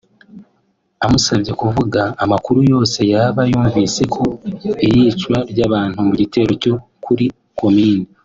Amusabye kuvuga amakuru yose yaba yarumvise ku iyicwa ry’abantu mu gitero cyo kuri Komine